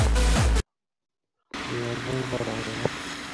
তুই আমাদের বড় মেয়ে না?